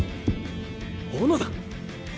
小野田！